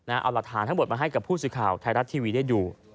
เอาหลักฐานทั้งหมดมาให้กับผู้สื่อข่าวไทยรัฐทีวีได้ดู